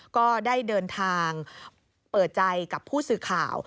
ก็ได้เดินทางเปิดใจกับผู้สื่อข่าว